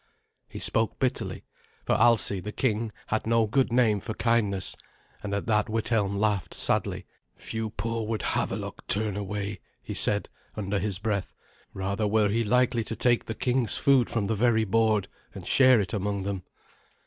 He spoke bitterly, for Alsi, the king, had no good name for kindness, and at that Withelm laughed sadly. "Few poor would Havelok turn away," he said, under his breath; "rather were he likely to take the king's food from the very board, and share it among them."